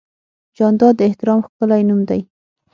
جانداد د احترام ښکلی نوم دی.